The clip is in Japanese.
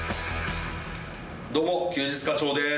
どうも休日課長です。